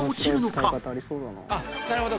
なるほど。